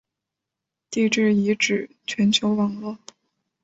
地质遗址全球网络。